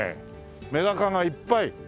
メダカがいっぱい。